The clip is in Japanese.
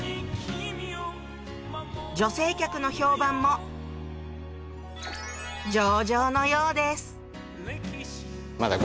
女性客の評判も上々のようですまだ。